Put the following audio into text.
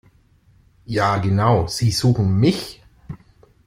Ja genau, Sie suchen mich!